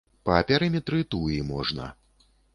Па перыметры туі можна.